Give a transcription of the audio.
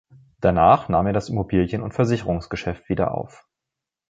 Danach nahm er das Immobilien- und Versicherungsgeschäft wieder auf.